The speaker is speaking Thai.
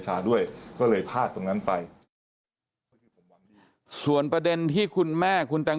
ด้วยก็เลยพลาดตรงนั้นไปส่วนประเด็นที่คุณแม่คุณแตง